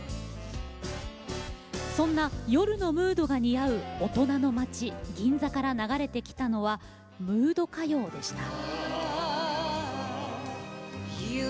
そんな夜のムードが似合う大人の街・銀座から流れてきたのはムード歌謡でした。